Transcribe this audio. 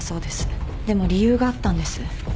でも理由があったんです。